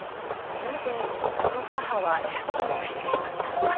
なぜこの母は借金をしてしまったのか